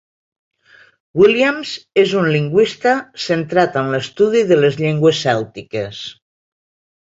Williams, és un lingüista centrat en l'estudi de les llengües cèltiques.